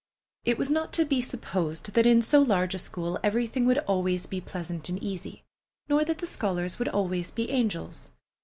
It was not to be supposed that in so large a school everything would always be pleasant and easy, nor that the scholars would always be angels.